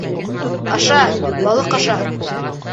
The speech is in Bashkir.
Аша, балыҡ, аша.